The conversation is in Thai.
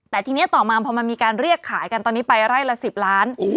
แต่ทีนี้ต่อมาพอมันมีการเรียกขายกันตอนนี้ไปไร่ละ๑๐ล้าน